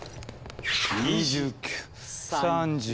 ２９・３０。